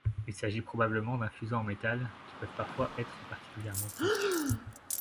Il s'agit probablement d'un fuseau en métal, qui peuvent parfois être particulièrement pointus.